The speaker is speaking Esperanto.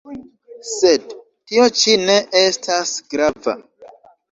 Sed tio ĉi ne estas grava.